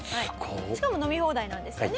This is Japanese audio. しかも飲み放題なんですよね？